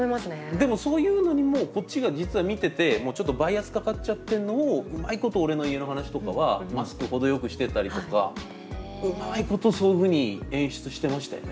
でもそういうのにもこっちが実は見ててちょっとバイアスかかっちゃってんのをうまいこと「俺の家の話」とかはマスク程よくしてたりとかうまいことそういうふうに演出してましたよね。